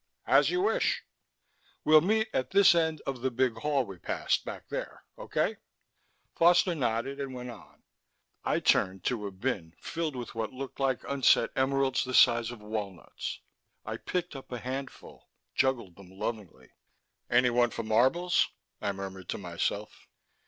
"As you wish." "We'll meet at this end of the big hall we passed back there. Okay?" Foster nodded and went on. I turned to a bin filled with what looked like unset emeralds the size of walnuts. I picked up a handful, juggled them lovingly. "Anyone for marbles?" I murmured to myself.